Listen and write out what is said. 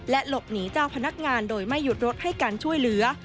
หลบหนีเจ้าพนักงานโดยไม่หยุดรถให้การช่วยเหลือ